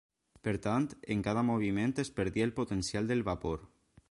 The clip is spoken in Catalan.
Per tant, en cada moviment es perdia el potencial del vapor.